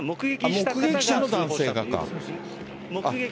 目撃者の男性が。